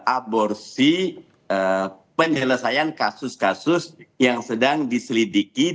aborsi penyelesaian kasus kasus yang sedang diselidiki di kepala kepala kepala